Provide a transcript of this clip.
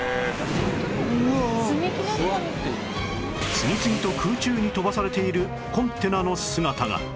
次々と空中に飛ばされているコンテナの姿が